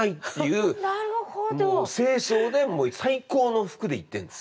正装で最高の服で行ってるんです。